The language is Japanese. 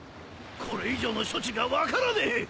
これ以上の処置が分からねえ！